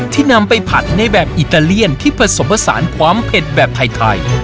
นำไปผัดในแบบอิตาเลียนที่ผสมผสานความเผ็ดแบบไทย